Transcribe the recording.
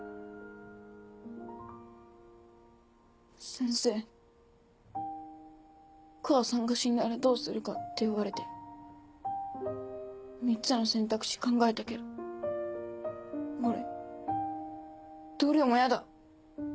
先生母さんが死んだらどうするかって言われて３つの選択肢考えたけど俺どれもやだ。